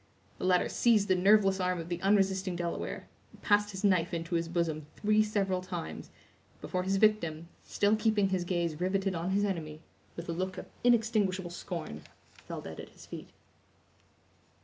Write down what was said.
The latter seized the nerveless arm of the unresisting Delaware, and passed his knife into his bosom three several times, before his victim, still keeping his gaze riveted on his enemy, with a look of inextinguishable scorn, fell dead at his feet.